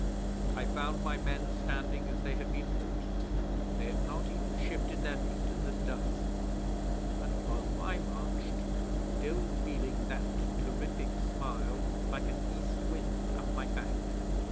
I found my men standing as they had been put they had not even shifted their feet in the dust, and off I marched, still feeling that terrific smile like an east wind up my back.